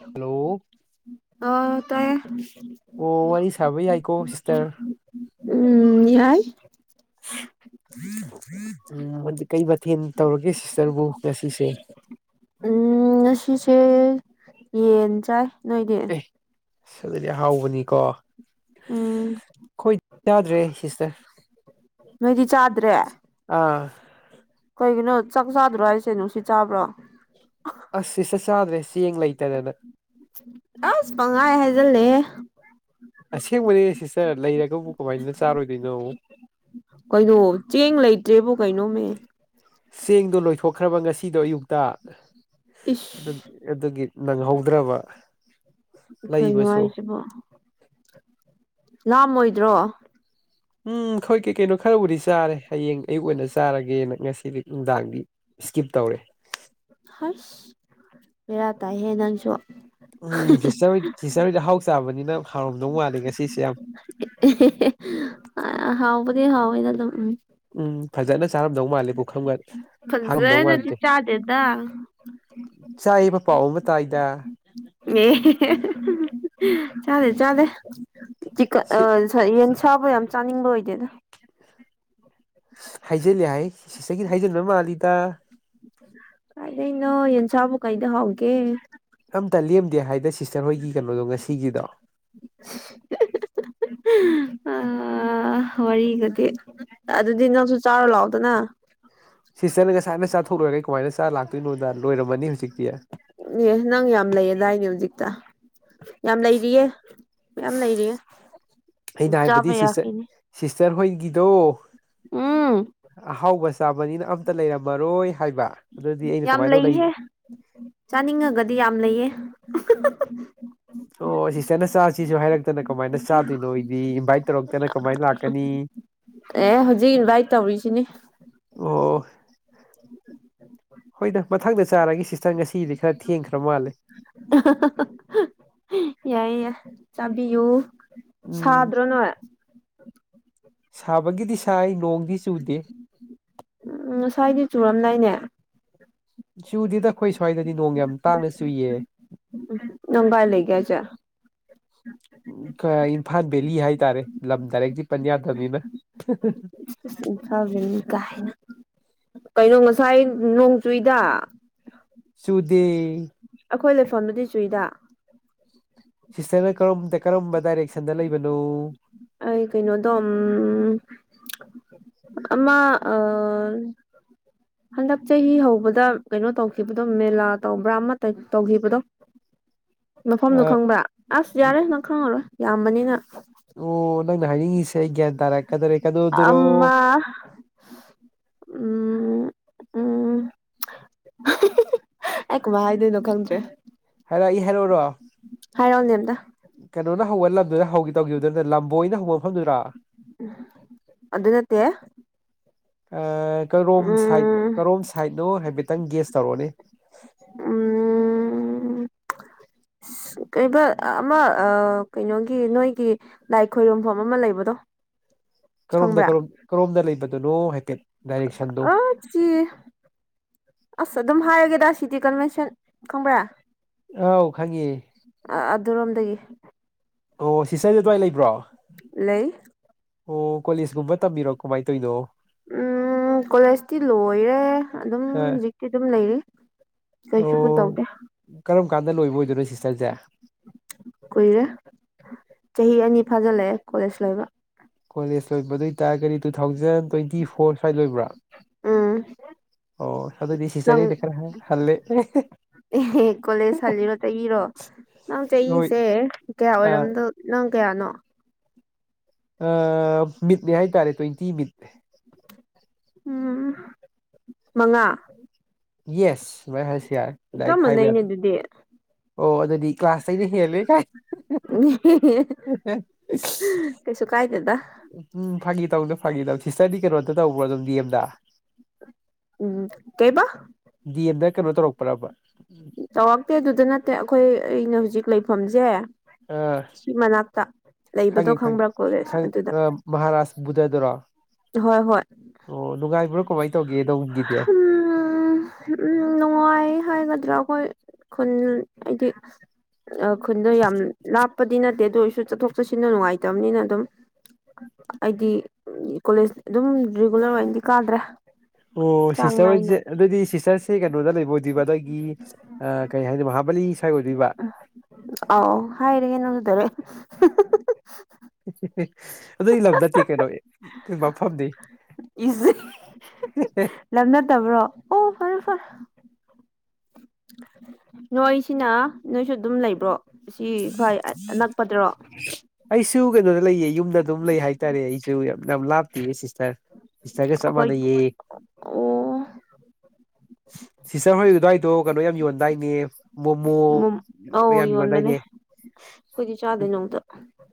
ꯎꯝ hello ꯑ ꯇꯥꯏꯌꯦ ꯑꯣ ꯋꯥꯔꯤ ꯁꯥꯕ ꯌꯥꯏꯀꯣ ꯁꯤꯁꯇꯔ ꯎꯝ ꯌꯥꯏ ꯎꯝ ꯑꯗꯨ ꯀꯩ ꯃꯊꯦꯜ ꯇꯧꯔꯒꯦ ꯁꯤꯁꯇꯔꯕꯨ ꯉꯁꯤꯁꯦ ꯎꯝ ꯉꯁꯤꯁꯦ ꯌꯦꯟ ꯆꯥꯏ ꯅꯣꯏꯗꯤ ꯁ ꯑꯗꯨꯗꯤ ꯍꯥꯎꯕꯅꯤꯀꯣ ꯎꯝ ꯑꯩꯈꯣꯏ ꯌꯥꯗ꯭ꯔꯦ ꯁꯤꯁꯇꯔ ꯅꯣꯏꯗꯤ ꯆꯥꯗ꯭ꯔꯦ ꯑꯥ ꯀꯩꯒꯤꯅꯣ ꯆꯥꯛ ꯆꯥꯗ꯭ꯔꯣ ꯍꯥꯏꯁꯦ ꯅꯨꯡꯁꯤꯠ ꯆꯥꯕ꯭ꯔꯣ ꯑꯁ ꯁꯤꯁꯇꯔ ꯆꯗꯔꯦ ꯆꯦꯡ ꯂꯩꯇꯗꯅ ꯑꯁ ꯄꯪꯍꯥꯏ ꯍꯥꯏꯖꯤꯜꯂꯦꯍꯦ ꯑꯁꯦꯡꯕꯅꯦ ꯁꯤꯁꯇꯔ ꯂꯩꯔꯒꯕꯨ ꯀꯃꯥꯏꯅ ꯆꯥꯔꯣꯏꯗꯣꯏꯅꯣ ꯀꯩꯅꯣ ꯆꯦꯡ ꯂꯩꯇ꯭ꯔꯦꯕꯣ ꯀꯩꯅꯣꯃꯦ ꯆꯦꯡꯗꯣ ꯂꯣꯏꯊꯣꯛꯈ꯭ꯔꯕ ꯉꯁꯤꯗꯣ ꯑꯌꯨꯛꯇ ꯑꯗꯨ ꯏꯁ ꯑꯗꯨꯒꯤ ꯅꯪꯍꯧꯗ꯭ꯔꯕ ꯀꯩꯅꯣ ꯂꯩꯕꯁꯨ ꯍꯥꯏꯁꯤꯕꯣ ꯂꯥꯝꯃꯣꯏꯗ꯭ꯔꯣ ꯎꯝ ꯑꯩꯣꯏ ꯀꯩ ꯀꯩꯅꯣ ꯈꯔꯕꯨꯗꯤ ꯆꯥꯔꯦ ꯍꯌꯦꯡ ꯑꯩ ꯑꯣꯏꯅ ꯆꯥꯔꯒꯦꯅ ꯉꯁꯤꯗꯤ ꯅꯨꯡꯗꯥꯡꯗꯤ ꯏꯁ꯭ꯀꯤꯞ ꯇꯧꯔꯦ ꯑꯁ ꯕꯦꯔꯥ ꯇꯥꯏꯍꯦ ꯅꯪꯁꯨ ꯎꯝ ꯐꯤꯁꯇ ꯐꯤꯁꯇꯔꯣꯏꯗ ꯍꯥꯎ ꯆꯥꯕꯅꯤꯅ ꯍꯥꯎꯔꯝꯗꯧ ꯃꯥꯂꯦ ꯉꯁꯤꯁꯦ ꯌꯥꯝ ꯍꯥꯎꯕꯗꯤ ꯍꯥꯎꯢꯗ ꯑꯗꯨꯝ ꯎꯝ ꯎꯝ ꯐꯖꯅ ꯆꯥꯔꯝꯗꯧ ꯃꯥꯜꯂꯤ ꯄꯨꯈꯝꯒ ꯍꯥꯡꯉꯝꯗꯧ ꯃꯥꯥꯟꯗꯦ ꯌꯥꯗꯦꯗ ꯆꯥꯏꯕ ꯄꯥꯎ ꯑꯃ ꯇꯥꯏꯗ ꯑꯦ ꯆꯥꯗꯦ ꯁꯤ [unintelligible] ꯌꯦꯟ ꯁꯥꯕ ꯌꯥꯝ ꯆꯥꯅꯤꯡꯕ ꯑꯣꯏꯗꯦꯗ ꯍꯥꯏꯖꯤꯂꯦ ꯍꯥꯏ ꯁꯤꯁꯒꯤ ꯍꯥꯏꯖꯤꯟꯕ ꯃꯥꯜꯂꯤꯗ ꯀꯥꯏꯗ ꯏꯩꯅꯣ ꯌꯦꯟ ꯆꯕꯨ ꯀꯥꯏꯗ ꯍꯧꯥꯎꯒꯦ ꯑꯝꯇ ꯂꯦꯝꯗꯦ ꯍꯥꯏꯗꯦ ꯁꯤꯁꯇꯔ ꯍꯣꯏꯒꯤ ꯀꯩꯅꯣꯗꯣ ꯉꯁꯤꯒꯤꯗꯣ ꯑ ꯋꯔꯤꯒꯗꯤ ꯑꯗꯨꯗꯤ ꯅꯪꯁꯨ ꯆꯥꯎꯔ ꯂꯥꯛꯑꯣꯗꯅ ꯁꯤꯁꯇꯔꯅ ꯉꯁꯥꯏꯅ ꯆꯥꯊꯣꯛꯂꯣꯏꯨꯔꯒꯦ ꯀꯃꯥꯏꯅ ꯆꯥ ꯂꯥꯛꯇꯣꯏꯅꯣꯗ ꯂꯣꯏꯔꯝꯃꯅꯤ ꯍꯧꯖꯤꯛꯇꯤ ꯑꯦ ꯅꯪ ꯌꯥꯝ ꯂꯩ ꯑꯗꯥꯏꯅꯦ ꯍꯧꯖꯤꯛꯇ ꯌꯥꯝ ꯂꯩꯔꯤꯌꯦ ꯌꯥꯝꯌꯥꯝ ꯂꯩꯔꯤꯌꯦ ꯑꯩꯅ ꯆꯥꯕ ꯍꯥꯏꯕꯗꯤ ꯁꯤꯁꯇꯔ ꯌꯥꯈꯤꯅꯦ ꯁꯤꯁꯇꯔ ꯍꯣꯏꯒꯤꯗꯣ ꯎꯝ ꯑꯍꯥꯎꯕꯁꯦ ꯆꯥꯕꯅꯤꯅ ꯑꯝꯇ ꯂꯩꯔꯝꯃꯔꯣꯏ ꯍꯥꯏꯕ ꯑꯗꯨꯗꯤ ꯑꯩꯅ ꯌꯥꯝ ꯀꯃꯥꯏꯅ ꯂꯩ ꯂꯩꯍꯦ ꯆꯥꯅꯤꯡꯉꯒꯗꯤ ꯌꯥꯝ ꯂꯩꯌꯦ ꯑꯣ ꯁꯤꯇꯅ ꯆꯥꯁꯤꯁꯨ ꯍꯥꯏꯔꯛꯇꯅ ꯀꯃꯥꯏꯅ ꯆꯥꯗꯣꯏꯅꯣ ꯑꯩꯗꯤ ꯏꯟꯚꯥꯏꯠ ꯇꯧꯔꯛꯇꯅ ꯀꯃꯥꯏꯅ ꯂꯥꯛꯀꯅꯤ ꯑꯦ ꯍꯧꯖꯤꯛ ꯏꯟꯚꯥꯏꯠ ꯇꯧꯔꯤꯁꯤꯅꯦ ꯑꯣ ꯍꯣꯏꯗ ꯃꯊꯪꯗ ꯆꯥꯔꯒꯁꯤ ꯏꯪ ꯉꯁꯤꯗꯤ ꯈꯔ ꯊꯦꯡꯈ꯭ꯔ ꯃꯥꯜꯂꯦ ꯌꯥꯏ ꯆꯥꯕꯤꯌꯨ ꯎꯝ ꯁꯥꯗ꯭ꯔꯣ ꯅꯣꯏ ꯁꯥꯕꯒꯤꯗꯤ ꯁꯥꯏ ꯅꯣꯡꯗꯤ ꯆꯨꯗꯦ ꯎꯝ ꯉꯁꯥꯏꯗꯤ ꯆꯨꯔꯝꯗꯥꯏꯅꯦ ꯆꯨꯗꯤꯗ ꯑꯩꯈꯣꯏ ꯁ꯭ꯋꯥꯏꯗꯗꯤ ꯅꯣꯡ ꯌꯥꯝ ꯇꯥꯡꯅ ꯆꯨꯏꯌꯦ ꯅꯪ ꯀꯥꯏ ꯂꯩꯒꯦꯁꯦ ꯏꯝꯐꯥꯜ ꯕꯦꯂꯤ ꯍꯥꯏꯇꯥꯔꯦ ꯂꯝ ꯗꯥꯏꯔꯦꯛꯇꯤ ꯄꯟꯖꯥꯇꯕꯅꯤꯅ ꯏꯝꯐꯟ ꯚꯦꯂꯤ ꯀꯥꯏꯅ ꯀꯩꯅꯣ ꯉꯁꯥꯏ ꯅꯣꯡ ꯆꯨꯏꯗ ꯆꯨꯗꯦ ꯑꯩꯈꯣꯏ ꯂꯩꯐꯝꯗꯨꯗꯤ ꯆꯨꯏꯗ ꯁꯤꯁꯇꯔꯅ ꯀꯔꯝ ꯀꯔꯝꯕ ꯗꯥꯏꯔꯦꯛꯁꯟꯗ ꯂꯩꯕꯅꯣ ꯑꯩ ꯀꯩꯅꯣꯗꯝ ꯑꯃ ꯑ ꯍꯟꯗꯛ ꯆꯍꯤ ꯍꯧꯕꯗ ꯀꯩꯅꯣ ꯇꯧꯈꯤꯕꯗꯣ ꯃꯦꯂꯥ ꯇꯧꯕ꯭ꯔꯥ ꯑꯃ ꯇꯧꯈꯤꯕꯗꯣ ꯃꯐꯝꯗꯣ ꯑ ꯈꯪꯕ꯭ꯔꯥ ꯑꯁ ꯌꯥꯔꯦ ꯅꯪ ꯈꯪꯉꯔꯣꯏ ꯌꯥꯝꯕꯅꯤꯅ ꯑꯣ ꯅꯪꯅ ꯍꯥꯏꯅꯤꯡꯉꯤꯁꯦ ꯑꯩ ꯒ꯭ꯌꯥꯟ ꯇꯥꯔꯛꯀꯗꯧꯔꯦ ꯀꯗꯧꯗꯨꯔꯣ ꯑꯥ ꯎꯝ ꯎꯝ ꯑꯩ ꯀꯃꯥꯏ ꯍꯥꯏꯗꯣꯏꯅꯣ ꯈꯪꯗ꯭ꯔꯦ ꯍꯥꯏꯔꯒꯦ ꯍꯥꯏꯔꯣꯔꯣ ꯍꯥꯏꯔꯥꯎꯅꯦ ꯑꯝꯇ ꯀꯩꯅꯣꯅ ꯍꯧꯕ ꯂꯝꯗꯨꯗ ꯍꯧꯈꯤ ꯇꯧꯈꯤꯕꯗꯨꯅ ꯂꯝꯕꯣꯏꯅ ꯍꯧꯕ ꯃꯐꯝꯗꯨꯔ ꯑꯗꯨ ꯅꯠꯇꯦ ꯀꯔꯣꯝ ꯁꯥꯏꯠ ꯎꯝ ꯀꯔꯣꯝ ꯁꯥꯏꯠꯅꯣ ꯍꯥꯏꯐꯦꯠꯇꯪ ꯒꯦꯁ ꯇꯧꯔꯑꯣꯅꯦ ꯎꯝ [inaudible] ꯀꯩꯕ ꯑꯃ ꯀꯩꯅꯣꯒꯤ ꯅꯣꯏꯒꯤ ꯂꯥꯏ ꯈꯣꯏꯔꯨꯝꯐꯝ ꯑꯃ ꯂꯩꯕꯗꯣ ꯀꯔꯣꯝꯗ ꯈꯪꯕ꯭ꯔꯥ ꯀꯔꯣꯝꯗ ꯀꯔꯣꯝꯗ ꯂꯩꯕꯗꯨꯅꯣ ꯍꯥꯏꯐꯦꯠ ꯗꯥꯏꯔꯦꯛꯁꯟꯗꯣ ꯑꯆꯤ ꯑꯁ ꯑꯗꯨꯝ ꯍꯥꯏꯔꯒꯦꯗ ꯁꯤꯇꯤ ꯀꯟꯚꯦꯟꯁꯟ ꯈꯪꯕ꯭ꯔꯥ ꯑꯥꯎ ꯈꯪꯉꯤ ꯑꯗꯨꯔꯣꯝꯗꯒꯤ ꯑꯣ ꯁꯤꯁꯇꯔꯖꯦ ꯑꯗꯨꯋꯥꯏ ꯂꯩꯕ꯭ꯔꯣ ꯂꯩ ꯑꯣ ꯀꯣꯂꯦꯖꯀꯨꯝꯕ ꯇꯝꯕꯤꯔꯣ ꯀꯃꯥꯏꯅ ꯇꯧꯔꯤꯅꯣ ꯎꯝ ꯀꯣꯂꯦꯖꯇꯤ ꯂꯣꯏꯔꯦ ꯑꯗꯨꯝ ꯍꯧꯖꯤꯛꯇꯤ ꯑꯗꯨꯝ ꯂꯩꯔꯤ ꯑꯣ ꯀꯩꯁꯨꯕꯨ ꯇꯧꯗꯦ ꯀꯔꯝ ꯀꯥꯟꯗ ꯂꯣꯏꯕ ꯑꯣꯏꯗꯣꯏꯅꯣ ꯁꯤꯁꯇꯔꯁꯦ ꯀꯨꯏꯔꯦ ꯆꯍꯤ ꯑꯅꯤ ꯐꯥꯖꯤꯜꯂꯛꯑꯦ ꯀꯣꯂꯦꯖ ꯂꯩꯕ ꯀꯣꯂꯦꯖ ꯂꯣꯏꯕ ꯑꯗꯨ ꯑꯣꯏꯇꯥꯔꯒꯗꯤ ꯇꯨ ꯊꯥꯎꯖꯟ ꯇ꯭ꯋꯦꯟꯇꯤ ꯐꯣꯔ ꯁ꯭ꯋꯥꯏ ꯂꯣꯏꯕ꯭ꯔꯥ ꯎꯝ ꯑꯣ ꯑꯗꯨꯗꯤ ꯁꯤꯁꯇꯔꯗꯩ ꯑꯩꯅ ꯈꯔ ꯍꯜꯂꯦ ꯑꯦꯍ ꯀꯣꯂꯦꯖ ꯍꯜꯂꯤꯔꯣ ꯆꯍꯤꯔꯣ ꯅꯪ ꯍꯣꯏ ꯆꯍꯤꯁꯦ ꯀꯌꯥ ꯑꯣꯏꯔꯝꯗꯣ ꯅꯪ ꯀꯌꯥꯅꯣ ꯑ ꯃꯤꯠꯅꯦ ꯍꯥꯏꯇꯥꯔꯦ ꯇ꯭ꯋꯦꯟꯇꯤ ꯃꯤꯠꯅꯦ ꯎꯝ ꯃꯉꯥ ꯌꯦꯁ ꯗꯨꯃꯥꯏ ꯍꯥꯏꯁꯨ ꯌꯥꯔꯦ ꯆꯞ ꯗꯥꯏꯔꯦꯛ ꯍꯥꯏꯕ ꯌꯥ ꯃꯥꯟꯅꯩꯅꯦ ꯑꯗꯨꯗꯤ ꯑꯣ ꯑꯗꯨꯗꯤ ꯀ꯭ꯂꯥꯁꯇꯩꯩꯅ ꯍꯦꯜꯂꯦ ꯀꯥꯏ ꯀꯩꯁꯨ ꯀꯥꯏꯗꯦꯗ ꯎꯝ ꯐꯥꯒꯤ ꯇꯧꯗꯣ ꯐꯥꯒꯤ ꯇꯧ ꯁꯤꯁꯇꯔꯗꯤ ꯀꯩꯅꯣꯝ ꯇꯧꯕ꯭ꯔꯣ ꯑꯗꯨꯝ ꯗꯤꯑꯦꯝꯗ ꯎꯝ ꯀꯩꯕ ꯗꯤ ꯑꯦꯝꯗ ꯀꯩꯅꯣ ꯇꯧꯔꯛꯄ꯭ꯔꯕ ꯇꯧꯔꯛꯇꯦ ꯑꯗꯨꯗ ꯅꯠꯇꯦ ꯑꯩꯈꯣꯏ ꯑꯩꯅ ꯍꯧꯖꯤꯛ ꯂꯩꯐꯝꯁꯦ ꯑ ꯁꯤ ꯃꯅꯥꯛꯇ ꯂꯩꯕꯗꯣ ꯈꯪꯕ꯭ꯔꯥ ꯀꯣꯂꯦꯁ ꯑꯗꯨꯗ ꯃꯍꯥꯔꯥꯁ ꯕꯨꯙꯗꯨꯔꯣ ꯍꯣꯏ ꯍꯣꯏ ꯑꯣ ꯅꯨꯡꯉꯥꯏꯕ꯭ꯔꯣ ꯀꯃꯥꯏꯅ ꯇꯧꯒꯦ ꯅꯧꯒꯤꯗꯤ ꯎꯝ ꯎꯝ ꯅꯨꯡꯉꯥꯏ ꯍꯥꯏꯒꯗ꯭ꯔꯥ ꯑꯩꯈꯣꯏ ꯈꯨꯟ ꯍꯥꯏꯗꯤ ꯈꯨꯟꯗ ꯌꯥꯝ ꯂꯥꯞꯄꯗꯤ ꯅꯠꯇꯦ ꯑꯗꯨ ꯑꯣꯏꯔꯁꯨ ꯆꯠꯊꯣꯛ ꯆꯠꯁꯤꯟꯗ ꯅꯨꯡꯉꯥꯏꯇꯕꯅꯤꯅ ꯑꯗꯨꯝ ꯑꯩꯗꯤ ꯀꯣꯂꯦꯖ ꯑꯗꯨꯝ ꯔꯤꯒꯨꯂꯔ ꯑꯣꯏꯅꯗꯤ ꯀꯥꯗ꯭ꯔꯦ ꯑꯣ ꯆꯥꯡ ꯁꯤꯁꯇꯔ ꯅꯥꯏꯅ ꯑꯣꯏꯁꯦ ꯑꯗꯨꯗꯤ ꯁꯤꯁꯇꯔꯁꯦ ꯀꯩꯅꯣꯗ ꯂꯩꯕ ꯑꯣꯏꯗꯣꯏꯔꯤꯕ ꯑꯗꯒꯤ ꯑ ꯀꯩ ꯍꯥꯏꯅꯤ ꯃꯍꯥꯕꯂꯤ ꯁ꯭ꯋꯥꯏ ꯑꯣꯏꯗꯣꯏꯕ ꯑꯥꯎ ꯍꯥꯏꯥꯏꯔꯦ ꯌꯦꯅꯗꯔꯦ ꯑꯗꯨꯏ ꯂꯝ ꯅꯠꯇꯦ ꯀꯩꯅꯣ ꯃꯐꯝꯗꯤ ꯏꯁ [inaudible] ꯂꯝ ꯅꯠꯇꯕ꯭ꯔꯣ ꯑꯣ ꯐꯔꯦ ꯐꯔ ꯅꯣꯏꯁꯤꯅ ꯅꯣꯏꯁꯨ ꯑꯗꯨꯝ ꯂꯩꯕ꯭ꯔꯣ ꯁꯤ ꯐꯩ ꯑꯅꯛꯄꯗ꯭ꯔꯣ ꯑꯩꯁꯨ ꯀꯩꯅꯣꯗ ꯂꯩꯌꯦ ꯌꯨꯝꯗ ꯑꯗꯨꯝ ꯂꯩ ꯍꯥꯏꯇꯥꯔꯦ ꯑꯩꯁꯨ ꯌꯥꯝ ꯌꯥꯝ ꯂꯥꯞꯇꯦꯌꯦ ꯁꯤꯁꯇꯔ ꯏꯁꯇꯒ ꯑꯩꯈꯣꯏ ꯁꯃꯅꯌꯦ ꯑꯣ ꯁꯤꯁꯇꯔ ꯍꯣꯏ ꯑꯗꯨꯋꯥꯏꯗꯣ ꯀꯩꯅꯣ ꯌꯥꯝ ꯌꯣꯟꯗꯥꯏꯅꯦ ꯃꯣꯃꯣ ꯌꯥꯝ ꯌꯣꯟꯗꯥꯏꯅꯦ ꯍꯧꯣꯏꯗꯤ ꯆꯥꯗꯅꯧꯗ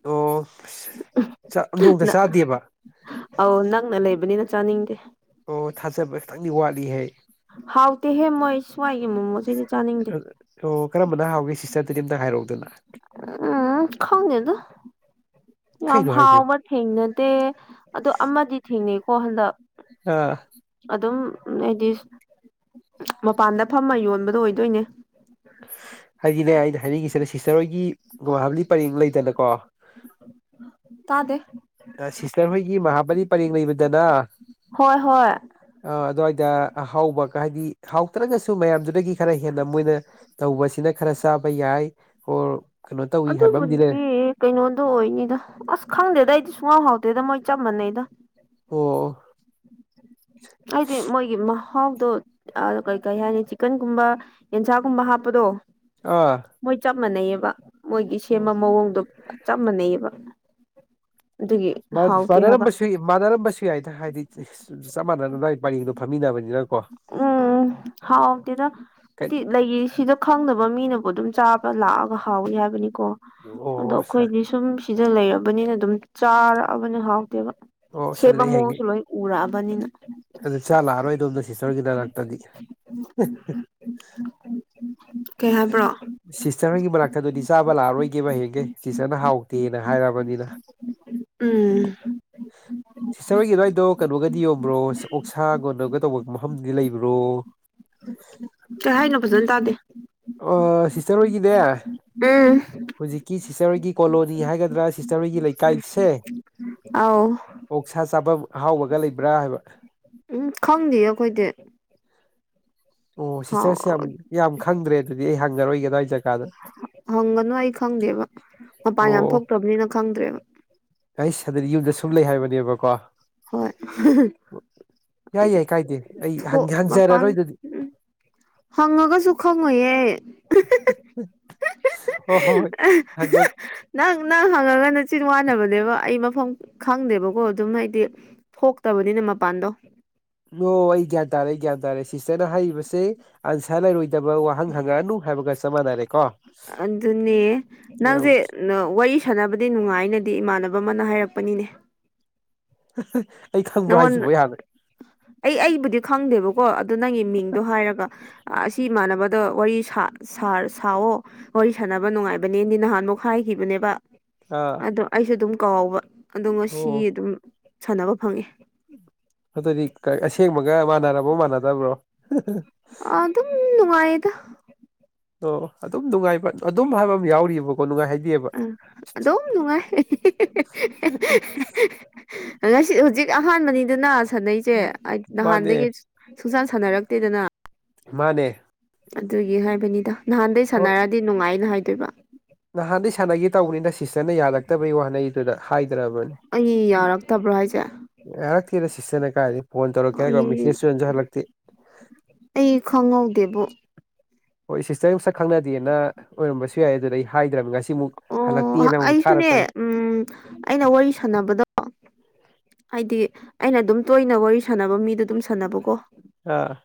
ꯑꯣ ꯑꯁ ꯅꯗꯣꯡꯇ ꯅ- ꯆꯥꯗꯦꯕ ꯑꯧ ꯅꯛꯅ ꯂꯩꯕꯅꯤꯅ ꯆꯥꯅꯤꯡꯗꯦ ꯑꯣ ꯊꯥꯖꯕ ꯈꯤꯇꯪꯗꯤ ꯋꯥꯠꯂꯤ ꯍꯥꯏ ꯍꯥꯎꯇꯦꯍꯦ ꯃꯣꯏ ꯁ꯭ꯋꯥꯏꯒꯤ ꯃꯣꯃꯣꯁꯤꯗꯤ ꯆꯥꯅꯤꯡꯗꯦ ꯑꯣ ꯀꯔꯝꯕꯅ ꯍꯥꯎꯒꯦ ꯁꯤꯁꯇꯔꯗꯗꯤ ꯑꯝꯇ ꯍꯥꯏꯔꯛꯎꯗꯅ ꯎꯝ ꯈꯪꯗꯦ ꯑꯗꯨ ꯌ ꯀꯩꯅꯣ ꯍꯥꯏꯁꯦ ꯍꯥꯎꯕ ꯊꯦꯡꯅꯗꯦ ꯑꯗꯣ ꯑꯃꯗꯤ ꯊꯦꯡꯅꯩꯀꯣ ꯍꯟꯗꯛ ꯑꯥ ꯑꯗꯨꯝ ꯍꯥꯏꯗꯤ ꯃꯄꯥꯟꯗ ꯐꯝꯃ ꯌꯣꯟꯕꯗꯣ ꯑꯣꯏꯗꯣꯏꯅꯦ ꯍꯥꯏꯗꯤꯅꯦ ꯑꯩꯅ ꯍꯥꯏꯅꯤꯡꯉꯤꯁꯤꯅꯦ ꯁꯤꯁꯇꯔ ꯍꯣꯏꯒꯤ ꯒꯨꯍꯥꯕꯂꯤ ꯄꯔꯦꯡ ꯂꯩꯗꯅꯀꯣ ꯇꯥꯗ ꯁꯤꯁꯇꯔ ꯍꯣꯏꯒꯤ ꯃꯍꯥꯕꯔꯤ ꯄꯔꯦꯡ ꯂꯩꯕꯗꯅ ꯍꯣꯏ ꯍꯣꯏ ꯑ ꯑꯗꯨꯋꯥꯏꯗ ꯑꯍꯥꯎꯕꯒ ꯍꯥꯏꯗꯤ ꯍꯥꯎꯇ꯭ꯔꯒꯁꯨ ꯃꯌꯥꯝꯗꯨꯗꯒꯤ ꯈꯔ ꯍꯦꯟꯅ ꯃꯣꯏꯅ ꯇꯧꯕꯁꯤꯅ ꯈꯔ ꯆꯥꯕ ꯌꯥꯏ ꯑꯣꯔ ꯀꯩꯅꯣ ꯇꯧꯏ ꯑꯗꯨꯗ ꯍꯥꯏꯕ ꯑꯃꯗꯤ ꯂꯩꯔꯦ ꯃꯗꯦ ꯀꯩꯅꯣꯗꯣ ꯑꯣꯏꯅꯤꯗ ꯑꯁ ꯈꯪꯗꯦꯗ ꯑꯩꯗꯤ ꯁꯨꯡꯒꯥꯎ ꯍꯥꯎꯗꯦꯗ ꯃꯣꯏ ꯆꯞ ꯃꯥꯟꯅꯩꯗ ꯑꯣ ꯍꯥꯏꯗꯤ ꯃꯣꯏꯒꯤ ꯃꯍꯥꯎꯗꯣ ꯀꯩ ꯀꯩ ꯍꯥꯏꯅꯤ ꯆꯤꯛꯀꯟꯒꯨꯝꯕ ꯌꯦꯟꯁꯥꯒꯨꯝꯕ ꯍꯥꯞꯄꯗꯣ ꯑꯥ ꯃꯣꯏ ꯆꯞ ꯃꯥꯟꯅꯩꯑꯕ ꯃꯣꯏꯒꯤ ꯁꯦꯝꯕ ꯃꯑꯣꯡꯗꯣ ꯆꯞ ꯃꯥꯟꯅꯩꯑꯕ ꯑꯗꯨꯒꯤ ꯍꯥꯎꯇꯦ ꯍꯥꯏꯕ ꯃꯥꯟꯅꯔꯝꯕꯁꯨ ꯃꯥꯟꯅꯔꯝꯕꯁꯨ ꯌꯥꯏꯗ ꯍꯥꯏꯗꯤ ꯆꯞ ꯃꯥꯟꯅꯅꯕ ꯄꯔꯦꯡꯗꯣ ꯐꯝꯃꯤꯟꯅꯕꯅꯤꯅ ꯀꯣ ꯎꯝ ꯍꯥꯎꯥꯎꯇꯗ ꯀꯩ ꯍꯥꯏꯗꯤ ꯂꯩ ꯁꯤꯗ ꯈꯪꯗꯕ ꯃꯤꯅꯕꯨ ꯑꯗꯨꯝ ꯆꯥꯕ ꯂꯥꯛꯑꯒ ꯍꯥꯎꯏꯤ ꯍꯥꯏꯕꯅꯤꯀꯣ ꯑꯗꯣ ꯑꯣ ꯑꯣ ꯑꯩꯈꯣꯏꯗꯤ ꯁꯨꯝ ꯁꯤꯗ ꯂꯩꯔꯕꯅꯤꯅ ꯑꯗꯨꯝ ꯆꯥꯔꯛꯑꯕꯅꯤ ꯍꯥꯎꯇꯦꯕ ꯁꯦꯕ ꯑꯗꯨꯗꯤ ꯃꯑꯣꯡꯁꯨ ꯂꯣꯏ ꯎꯔꯛꯑꯕꯅꯤꯅ ꯑꯗ ꯆ ꯂꯥꯛꯑꯔꯣꯏꯗꯣꯝꯅ ꯁꯤꯁꯇꯔꯒꯤ ꯅꯥꯛꯇꯗꯤ ꯀꯩ ꯍꯥꯏꯕ꯭ꯔꯣ ꯁꯤꯁꯇꯔꯒꯤ ꯃꯅꯥꯛꯇ ꯑꯗꯨꯗꯤ ꯆꯥꯕ ꯂꯥꯛꯔꯣꯏꯒꯦꯕ ꯍꯌꯦꯡꯒꯩ ꯁꯤꯁꯇꯔꯅ ꯍꯥꯎꯇꯦꯅ ꯍꯥꯏꯔꯕꯅꯤꯅ ꯎꯝ [inaudible] ꯁꯤꯁꯇꯔ ꯍꯣꯏꯒꯤ ꯑꯗꯨꯋꯥꯏꯗꯣ ꯀꯩꯅꯣꯒꯗꯤ ꯌꯣꯟꯕ꯭ꯔꯣ ꯑꯣꯛꯁꯥꯒꯣꯟꯅꯒ ꯇꯧꯕ ꯃꯐꯝꯗꯨꯗꯤ ꯂꯩꯕ꯭ꯔꯣ ꯀꯩꯥꯏꯅꯣ ꯐꯖꯅ ꯇꯥꯗꯦ ꯁꯤꯁꯇꯔ ꯑꯣꯏꯈꯤꯅꯦ ꯎꯝ ꯍꯧꯖꯤꯛꯀꯤ ꯁꯤꯁꯇꯔꯣꯏꯒꯤ ꯀꯣꯂꯣꯅꯤ ꯍꯥꯏꯒꯗ꯭ꯔꯥ ꯁꯤꯁꯇꯔꯣꯏꯒꯤ ꯂꯩꯀꯥꯏꯁꯦ ꯑꯧ ꯑꯣꯛ ꯁꯥ ꯆꯥꯐꯝ ꯑꯍꯥꯎꯕꯒ ꯂꯩꯕ꯭ꯔꯥ ꯍꯥꯏꯕ ꯎꯝ ꯈꯪꯗꯦ ꯑꯩꯈꯣꯏꯗꯤ ꯑꯣ ꯍꯥꯎ ꯁꯤꯁꯇꯔꯁꯦ ꯌꯥꯝ ꯈꯪꯗ꯭ꯔꯦ ꯑꯗꯨꯗꯤ ꯑꯩ ꯍꯪꯖꯔꯣꯏꯏꯒꯗꯣ ꯍꯥꯏꯖꯒꯦ ꯍꯪꯒꯅꯨ ꯑꯩ ꯈꯪꯗꯦꯕ ꯃꯄꯥꯟ ꯌꯥꯝ ꯊꯣꯛꯇ꯭ꯔꯕꯅꯤꯅ ꯈꯪꯗ꯭ꯔꯦꯕ ꯑꯩ ꯁꯗꯗꯤ ꯌꯨꯝꯗ ꯁꯨꯝ ꯂꯩ ꯍꯥꯏꯕꯅꯦꯕꯀꯣ ꯍꯣꯏ ꯌꯥꯏ ꯑꯩꯗꯤ ꯌꯥꯏ ꯀꯥꯏꯗꯦ ꯑꯩ ꯊꯣꯛ ꯃꯄꯥꯟ ꯍꯪꯖꯔꯔꯣꯏ ꯑꯗꯨꯗꯤ ꯎꯝ ꯍꯪꯉꯒꯁꯨ ꯈꯪꯉꯣꯍꯦ ꯑꯣ ꯍꯣ ꯍꯣꯏꯒ ꯅꯪ ꯅꯪ ꯍꯪꯉꯒ ꯅꯆꯤꯟ ꯋꯥꯅꯕꯅꯦꯕ ꯑꯩ ꯃꯐꯝ ꯈꯪꯗꯦꯕꯀꯣ ꯑꯗꯨꯝ ꯍꯥꯏꯗꯤ ꯊꯣꯛꯇꯕꯅꯤꯅ ꯃꯄꯥꯟꯗꯣ ꯅ ꯑꯩ ꯒ꯭ꯌꯥꯟ ꯇꯥꯔꯦ ꯒ꯭ꯌꯥꯟ ꯇꯥꯔꯛꯦ ꯁꯤꯁꯇꯔꯅ ꯍꯥꯏꯔꯤꯕꯁꯦ ꯑꯟꯁꯔ ꯂꯩꯔꯣꯏꯗꯕ ꯋꯥ ꯍꯪ ꯍꯪꯉꯛꯑꯅꯨ ꯍꯥꯏꯕꯒ ꯆ ꯃꯥꯟꯅꯔꯦ ꯀꯣ ꯑꯗꯨꯅꯦ ꯅꯪꯁꯦ ꯋꯥꯔꯤ ꯁꯥꯟꯅꯕꯗꯤ ꯅꯨꯡꯉꯥꯏꯅꯗꯤ ꯏꯃꯥꯟꯅꯕ ꯑꯃꯅ ꯍꯥꯏꯔꯛꯄꯅꯤꯅꯦ ꯑꯩ ꯈꯪꯕ꯭ꯔꯥ ꯍꯥꯏꯁꯤꯕꯣ ꯅꯪꯉꯣꯟꯗ ꯍꯥꯟꯅ ꯑꯩ ꯑꯩꯕꯨꯗꯤ ꯈꯪꯗꯦꯕꯀꯣ ꯑꯗꯨ ꯅꯪꯒꯤ ꯃꯤꯡꯗꯣ ꯍꯥꯏꯔꯒ ꯑꯁꯤ ꯏꯃꯥꯟꯅꯕꯗ ꯋꯥꯔꯤ ꯁꯥꯑꯣ ꯋꯥꯔꯤ ꯁꯥꯟꯅꯕ ꯅꯨꯡꯉꯥꯏꯕꯅꯦꯗꯤ ꯅꯍꯥꯟꯃꯨꯛ ꯍꯥꯏꯈꯤꯕꯅꯦꯕ ꯑꯥ ꯑꯣ ꯑꯩꯁꯨ ꯑꯗꯨꯝ ꯀꯥꯎꯕ ꯑꯗꯣ ꯑꯣ ꯉꯁꯤ ꯑꯗꯨꯝ ꯁꯥꯟꯅꯕ ꯐꯪꯉꯦ ꯑꯗꯨꯗꯤ ꯑꯁꯦꯡꯕꯒ ꯃꯥꯟꯅꯔꯕ ꯃꯥꯟꯅꯗꯕ꯭ꯔꯣ ꯑꯗꯨꯝ ꯅꯨꯡꯉꯥꯏꯗ ꯑꯣ ꯑꯗꯨꯝ ꯅꯨꯡꯉꯥꯏꯕ ꯑꯗꯨꯝ ꯍꯥꯏꯕ ꯑꯃ ꯌꯥꯎꯔꯤꯕꯔꯤꯕꯀꯣ ꯅꯨꯡꯉꯥꯏ ꯍꯥꯏꯗꯦꯕ ꯑ ꯑꯗꯣ ꯅꯨꯡꯉꯥꯏ ꯉꯁꯤ ꯍꯧꯖꯤꯛ ꯑꯍꯥꯟꯕꯅꯤꯗꯅ ꯁꯥꯟꯅꯩꯁꯦ ꯃꯥꯅꯦ ꯅꯍꯥꯟꯗꯒꯤ ꯁꯨꯡꯆꯥꯟ ꯁꯥꯟꯅꯔꯛꯇꯦꯗꯅ ꯃꯥꯅꯦ ꯑꯗꯨꯒꯤ ꯍꯥꯏꯕꯅꯤꯗ ꯅꯍꯥꯟꯗꯩ ꯁꯥꯟꯅꯔꯗꯤ ꯅꯨꯡꯉꯥꯏꯅ ꯍꯥꯏꯗꯣꯏꯕ ꯅꯍꯥꯟ ꯁꯥꯟꯒꯤ ꯇꯧꯔꯤꯅꯤ ꯅꯁꯦ ꯁꯤꯇꯔꯅ ꯌꯥꯔꯛꯇꯕꯩ ꯋꯥꯅꯦꯩꯗꯨꯗ ꯍꯥꯏꯗ꯭ꯔꯕꯅꯤ ꯁꯤ ꯌꯥꯔꯛꯇꯕ꯭ꯔꯣ ꯍꯥꯏꯁꯦ ꯌꯥꯔꯛꯇꯦꯔꯦ ꯁꯤꯁꯇꯅ ꯀꯥꯏꯗꯤ ꯐꯣꯟ ꯇꯧꯔꯛꯦꯔꯣ ꯑꯩ ꯃꯦꯁꯦꯁꯁꯨ ꯌꯟꯖ ꯍꯜꯂꯛꯇꯦ ꯑꯩ ꯈꯪꯍꯧꯗꯦꯕ ꯍꯣꯏ ꯁꯤꯁꯇꯔ ꯁꯛ ꯈꯪꯅꯗꯦꯅ ꯑꯣꯏꯔꯝꯕꯁꯨ ꯌꯥꯏ ꯑꯗꯨꯗ ꯑꯩ ꯍꯥꯏꯗ꯭ꯔꯕꯅꯤ ꯉꯁꯤ ꯁꯤꯃꯨꯛ ꯑꯣ ꯍꯜꯂꯛꯇꯦꯅ ꯑꯃꯨꯛ ꯊꯥꯔꯛꯄꯅꯦ ꯑꯩꯁꯨꯅꯦ ꯎꯝ ꯑꯩꯅ ꯋꯥꯔꯤ ꯁꯥꯟꯅꯕꯗꯣ ꯍꯥꯏꯗꯤ ꯑꯩꯅ ꯑꯗꯨꯝ ꯇꯣꯏꯅ ꯋꯥꯔꯤ ꯁꯥꯟꯅꯕ ꯃꯤꯗꯣ ꯑꯗꯨꯝ ꯁꯥꯟꯅꯕꯀꯣ ꯑ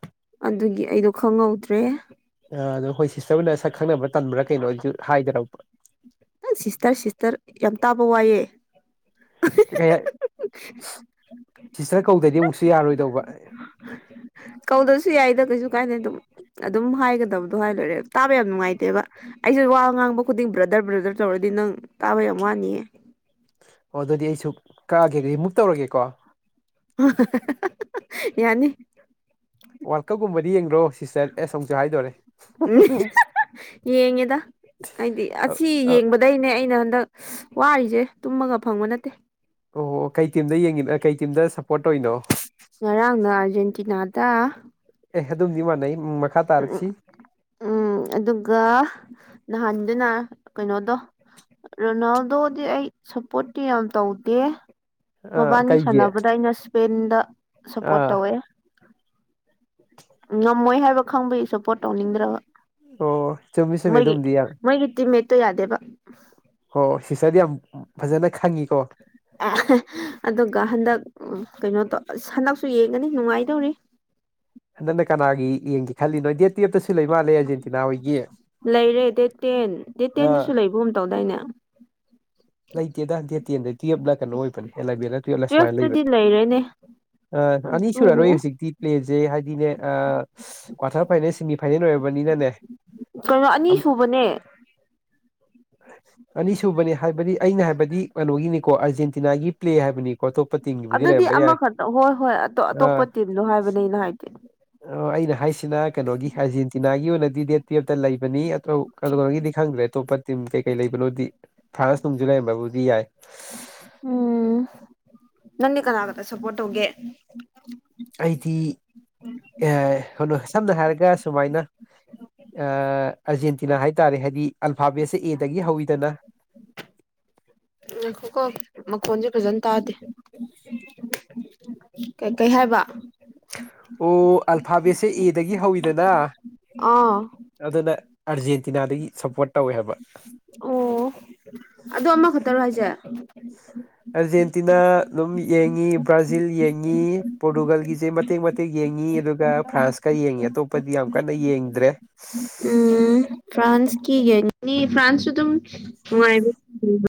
ꯑꯗꯨꯒꯤ ꯑꯩꯗꯣ ꯈꯪꯍꯧꯗ꯭ꯔꯦ ꯑꯗꯣ ꯍꯣꯏ ꯁꯤꯁꯇꯔ ꯑꯣꯏꯅ ꯁꯛ ꯈꯪꯅꯕꯥ ꯇꯟꯝꯕ꯭ꯔꯥ ꯀꯩꯅꯣꯁꯨ ꯍꯥꯏꯗꯔ ꯑ ꯁꯤꯁꯇꯔ ꯁꯤꯁꯇꯔ ꯌꯥꯝ ꯇꯥꯕ ꯋꯥꯏꯑꯦ ꯀ ꯀꯩ ꯍꯥꯏ ꯇꯆꯇꯔ ꯀꯧꯗ꯭ꯔꯗꯤ ꯑꯃꯨꯛꯁꯨ ꯌꯥꯔꯣꯏꯗꯧꯕ ꯀꯧꯗꯁꯨ ꯌꯥꯏꯗ ꯀꯩꯁꯨ ꯀꯥꯏꯗ ꯑꯗꯨꯝ ꯑꯗꯨꯝ ꯍꯥꯏꯒꯗꯕꯗꯣ ꯍꯥꯏ ꯂꯣꯏꯔꯦ ꯇꯥꯕ ꯌꯥꯝ ꯅꯨꯡꯉꯥꯏꯇꯦꯕ ꯑꯩꯁꯨ ꯋꯥ ꯉꯥꯡꯕ ꯈꯨꯗꯤꯡ ꯕ꯭ꯔꯗꯔ ꯕ꯭ꯔꯗꯔ ꯞ ꯆꯥꯎꯧꯔꯗꯤ ꯅꯪ ꯇꯥꯕ ꯌꯥꯝ ꯋꯥꯅꯤꯌꯦ ꯑꯣ ꯑꯗꯨꯗꯤ ꯑꯩꯁꯨ ꯀꯛꯑꯒꯦ ꯑꯗꯨꯗꯤ ꯃꯨꯛ ꯇꯧꯔꯒꯦꯀꯣ ꯌꯥꯅꯤ ꯋꯥꯔꯜ ꯀꯞꯀꯨꯝꯕꯗꯤ ꯌꯦꯡꯗ꯭ꯔꯣ ꯁꯤꯁꯇꯔ ꯑꯦꯁ ꯑꯃꯨꯛꯁꯨ ꯍꯥꯏꯗꯣꯔꯦ ꯎꯝ ꯌꯦꯡꯉꯦꯗ ꯍꯥꯏꯗꯤ ꯑ- ꯑꯁꯤ ꯑ- ꯌꯦꯡꯕꯗꯩꯅꯦ ꯑꯩꯅ ꯍꯟꯗꯛ ꯋꯥꯔꯤꯁꯦ ꯇꯨꯝꯃꯒ ꯐꯪꯕ ꯅꯠꯇꯦ ꯑꯣ ꯀꯩ ꯇꯤꯝꯗ ꯌꯦꯡꯉꯅꯣ ꯀꯩ ꯇꯤꯝꯗ ꯁꯞꯄꯣꯔꯠ ꯇꯧꯔꯤꯅꯣ ꯉꯔꯥꯡꯅ ꯑꯥꯔꯖꯦꯟꯇꯤꯅꯥꯗ ꯑꯦ ꯑꯗꯨꯝꯗꯤ ꯃꯥꯟꯅꯩ ꯃꯈꯥ ꯇꯥꯔꯛꯁꯤ ꯎꯝ ꯑꯗꯨꯒ ꯅꯍꯥꯟꯗꯨꯅ ꯀꯩꯅꯣꯗꯣ ꯔꯣꯅꯥꯜꯗꯣꯗꯤ ꯑꯩ ꯁꯞꯄꯣꯔꯠꯇꯤ ꯌꯥꯝ ꯇꯧꯗꯦ ꯑꯥ ꯃꯕꯥꯅꯤ ꯀꯩꯒꯤ ꯁꯥꯟꯅꯕꯗ ꯑꯩꯅ ꯏꯁꯄꯦꯟꯗ ꯁꯞꯄꯣꯔꯠ ꯑꯥ ꯇꯧꯋꯦ ꯉꯝꯃꯣꯏ ꯍꯥꯏꯕ ꯈꯪꯕꯩꯁꯨ ꯁꯄꯣꯠ ꯇꯧꯅꯤꯡꯗ꯭ꯔꯕ ꯑꯣ ꯆꯨꯝꯃꯤ ꯆꯨꯝꯃꯤ ꯃꯣꯏꯒꯤ ꯑꯗꯨꯝꯗꯤ ꯌꯥꯝ ꯃꯣꯏꯒꯤ ꯇꯤꯝꯃꯦꯠꯇꯣ ꯌꯥꯗꯦꯕ ꯍꯣ ꯁꯤꯁꯔꯗꯤ ꯌꯥꯝ ꯐꯖꯅ ꯈꯪꯉꯤꯀꯣ ꯑꯗꯨꯒ ꯍꯟꯗꯛ ꯀꯩꯅꯣ ꯇꯧ ꯑꯁ ꯍꯟꯗꯛꯁꯨ ꯌꯦꯡꯒꯅꯤ ꯅꯨꯡꯉꯥꯏꯗꯧꯔꯤ ꯅꯪꯅ ꯀꯅꯥꯒꯤ ꯌꯦꯡꯒꯦ ꯈꯜꯂꯤ ꯅꯣ ꯗꯦꯠ ꯇꯦꯞꯇꯁꯨ ꯂꯩ ꯃꯥꯜꯂꯦ ꯑꯔꯖꯦꯟꯇꯤꯅꯥ ꯍꯣꯏꯒꯤ ꯑ ꯩꯕꯨꯝ ꯇꯧꯗꯥꯏꯅ ꯂꯩꯇꯦꯗ ꯗꯦꯠ ꯇꯦꯟꯗ ꯇꯨꯌꯦꯜꯞꯂ ꯀꯩꯅꯣ ꯑꯣꯏꯕꯅꯦ ꯑꯦꯂꯕꯦꯟꯗ ꯇꯨꯌꯦꯜꯞꯂ ꯁꯨꯃꯥꯏꯅ ꯂꯩꯕꯅꯦ ꯇꯨꯋꯦꯜꯐꯇꯗꯤ ꯂꯩꯔꯦꯅꯦ ꯑ ꯑꯅꯤ ꯑꯗꯨ ꯁꯨꯔꯔꯣꯏ ꯍꯧꯖꯤꯛꯇꯤ ꯄ꯭ꯂꯦꯖꯦ ꯍꯥꯏꯗꯤꯅꯦ ꯀ꯭ꯋꯥꯇꯔ ꯐꯥꯏꯅꯦꯜ ꯁꯦꯃꯤ ꯐꯥꯏꯅꯦꯜ ꯑꯣꯏꯔꯕꯅꯤꯅꯅꯦ ꯀꯩꯅꯣ ꯑꯅꯤ ꯁꯨꯕꯅꯦ ꯑꯅꯤꯁꯨꯕꯅꯤ ꯍꯥꯏꯕꯗꯤ ꯑꯩꯅ ꯍꯥꯏꯕꯗꯤ ꯀꯩꯅꯣꯒꯤꯅꯤꯀꯣ ꯑꯥꯔꯖꯦꯟꯇꯤꯅꯥꯒꯤ ꯄ꯭ꯂꯦ ꯍꯥꯏꯕꯅꯤꯀꯣ ꯑꯇꯣꯞꯄ ꯇꯤꯡꯒꯤꯕꯨꯗꯤ ꯑꯗꯨꯗꯤ ꯂꯩꯔꯝꯕ ꯌꯥꯏ ꯑꯥ ꯗꯣ ꯍꯥꯏꯕꯅꯦ ꯑꯩꯅ ꯍꯥꯏꯗꯤ ꯑꯣ ꯑꯩꯅ ꯍꯥꯏꯁꯤꯅ ꯀꯩꯅꯣꯒꯤ ꯑꯥꯔꯖꯦꯟꯇꯤꯅꯥꯒꯤ ꯑꯣꯏꯅꯗꯤ ꯗꯦꯠ ꯇꯨꯌꯦꯞꯇ ꯂꯩꯕꯅꯤ ꯀꯧꯔꯒꯤꯗꯤ ꯈꯪꯗ꯭ꯔꯦ ꯑꯇꯣꯞꯄ ꯇꯤꯝ ꯀꯩ ꯀꯩ ꯂꯩꯕꯅꯣꯗꯤ ꯐ꯭ꯔꯥꯟꯁ ꯅꯨꯡꯁꯨ ꯂꯩꯔꯝꯕꯕꯨꯗꯤ ꯌꯥꯏ ꯎꯝ ꯅꯪꯗꯤ ꯀꯔꯒꯗ ꯁꯄꯣꯔꯠ ꯑꯣꯒꯦ ꯎꯝ ꯑꯩꯗꯤ ꯀꯩꯅꯣ ꯁꯝꯅ ꯍꯥꯏꯔꯒ ꯁꯨꯃꯥꯏꯅ ꯦ ꯑꯔꯖꯦꯟꯇꯤꯅꯥ ꯍꯥꯏꯇꯥꯔꯦ ꯍꯥꯏꯗꯤ ꯑꯜꯐꯥꯕꯦꯠꯁꯦ ꯑꯦꯗꯒꯤ ꯍꯧꯋꯤꯗꯅ ꯉꯥꯏꯈꯣꯀꯣ ꯃꯈꯣꯟꯖꯦ ꯐꯖꯅ ꯇꯥꯗꯦ ꯀꯩꯀꯩ ꯍꯥꯏꯕ ꯑꯣ ꯑꯜꯐꯥꯕꯦꯠꯁꯦ ꯑꯦꯗꯒꯤ ꯍꯧꯋꯤꯗꯅ ꯑꯥ ꯑꯗꯨꯅ ꯑꯥꯔꯖꯦꯟꯇꯤꯅꯥꯗꯒꯤ ꯁꯞꯄꯣꯔꯠ ꯇꯧꯋꯦ ꯍꯥꯏꯕ ꯑ ꯑꯃꯈꯛꯇꯔꯣ ꯍꯥꯏꯁꯦ ꯑꯥꯔꯖꯦꯟꯇꯤꯅꯥ ꯑꯗꯨꯝ ꯌꯦꯡꯉꯤ ꯕ꯭ꯔꯥꯖꯤꯜ ꯌꯦꯡꯉꯤ ꯄꯣꯔꯇꯨꯒꯜꯒꯤꯁꯦ ꯃꯇꯦꯛ ꯃꯇꯦꯛ ꯌꯦꯡꯉꯤ ꯑꯗꯨꯒ ꯐ꯭ꯔꯥꯟꯁꯀ ꯌꯦꯡꯉꯤ ꯑꯇꯣꯞꯄꯗꯤ ꯌꯥꯝ ꯀꯟꯅ ꯌꯦꯡꯗ꯭ꯔꯦ ꯎꯝ ꯐ꯭ꯔꯥꯟꯁꯀꯤ ꯌꯦꯡꯅꯤꯅꯤ ꯐ꯭ꯔꯥꯟꯁꯁꯨ ꯑꯗꯨꯝ ꯅꯨꯡꯉꯥꯏꯕ